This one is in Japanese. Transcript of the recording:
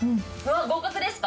合格ですか？